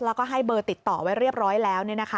แล้วก็ให้เบอร์ติดต่อไว้เรียบร้อยแล้ว